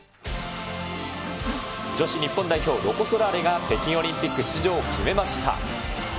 女子日本代表、ロコ・ソラーレが北京オリンピック出場を決めました。